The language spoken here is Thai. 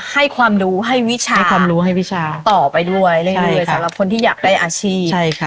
ให้ความรู้ให้วิชาต่อไปด้วยสำหรับคนที่อยากได้อาชีพ